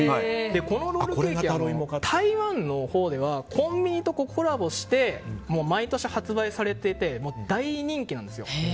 このロールケーキ台湾のほうではコンビニとコラボして毎年、発売されていて大人気なんですよ。